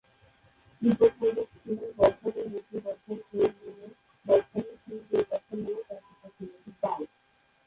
তিব্বত সম্রাট খ্রি-স্রোং-ল্দে-ব্ত্সানের মু-ত্রি-ব্ত্সান-পো, মু-নে-ব্ত্সান-পো, মু-তিগ-ব্ত্সান-পো এবং খ্রি-ল্দে-স্রোং-ব্ত্সান নামক চার পুত্র ছিল।